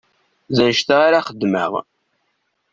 D anect-a ara xeddmeɣ.